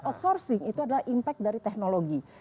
outsourcing itu adalah impact dari teknologi